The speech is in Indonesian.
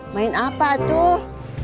main apa tuh